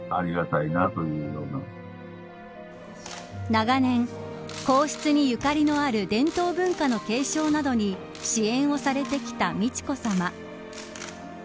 長年、皇室にゆかりのある伝統文化の継承などに支援をされてきた美智子さま。